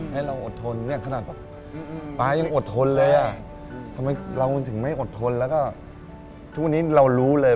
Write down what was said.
ให้เราอดทนเนี่ยขนาดแบบป๊ายังอดทนเลยอ่ะทำไมเราถึงไม่อดทนแล้วก็ช่วงนี้เรารู้เลย